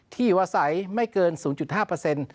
ที่วาสัยไม่เกิน๐๕